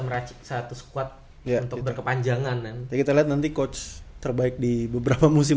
meracik satu squad untuk berkepanjangan nanti kita lihat nanti coach terbaik di beberapa musim